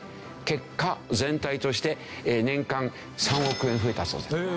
結果全体として年間３億円増えたそうです。